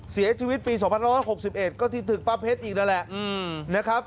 เสียชีวิตปี๒๑๖๑ก็ที่ตึกป้าเพชรอีกนั่นแหละนะครับ